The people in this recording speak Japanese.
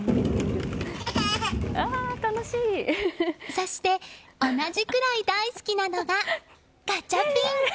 そして同じくらい大好きなのがガチャピン。